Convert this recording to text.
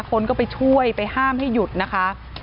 คนก็ไปช่วยไปห้ามให้หยุดนะคะ